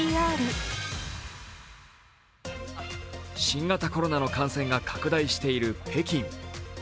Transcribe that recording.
新型コロナの感染が拡大している北京。